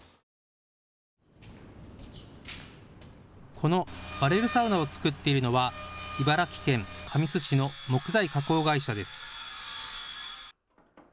このバレルサウナを作っているのは茨城県神栖市の木材加工会社です。